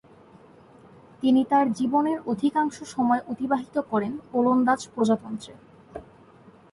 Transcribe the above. তিনি তার জীবনের অধিকাংশ সময় অতিবাহিত করেন ওলন্দাজ প্রজাতন্ত্রে।